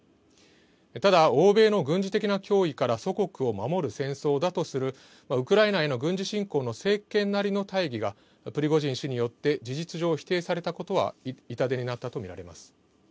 ただ欧米の軍事的な脅威から祖国を守る戦争だとするウクライナへの軍事侵攻の政権なりの大義がプリゴジン氏によって事実上、否定されたことは痛手になったと見られます。